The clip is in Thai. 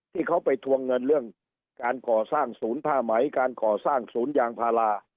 ที่เขาไปทวงเงินเรื่องการก่อสร้างศูนย์ผ้าไหมการก่อสร้างศูนย์ยางพารา